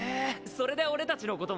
それで俺たちのことも？